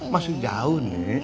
masih jauh nih